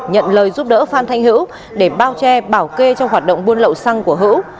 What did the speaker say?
nhận lời giúp đỡ phan thanh hữu để bao che bảo kê trong hoạt động buôn lậu xăng của hữu